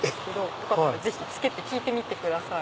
よかったらぜひつけて聴いてみてください。